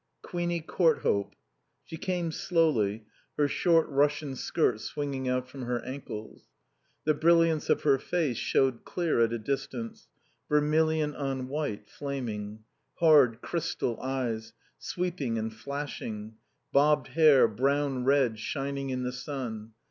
Queenie Courthope. She came slowly, her short Russian skirt swinging out from her ankles. The brilliance of her face showed clear at a distance, vermilion on white, flaming; hard, crystal eyes, sweeping and flashing; bobbed hair, brown red, shining in the sun.